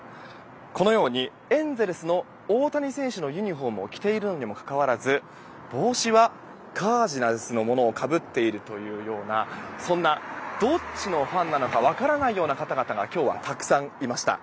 このようにエンゼルスの大谷選手のユニホームを着ているのにもかかわらず帽子はカージナルスのものをかぶっているというようなそんなどっちのファンなのか分からないような方々が今日はたくさんいました。